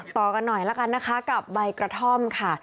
ต่อกันหน่อยกับใบกระท่อมค่ะ